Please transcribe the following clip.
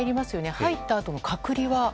入ったあとの隔離は？